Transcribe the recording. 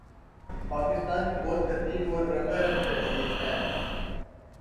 پاکستان کی بہت قدیم اور رنگارنگ تہذیب ہے